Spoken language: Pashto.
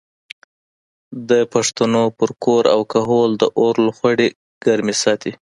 د پښتنو پر کور او کهول د اور لوخړې ګرمې ساتي.